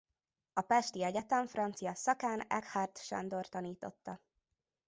A pesti egyetem francia szakán Eckhardt Sándor tanította.